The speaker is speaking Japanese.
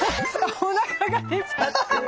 おなかが出ちゃってる。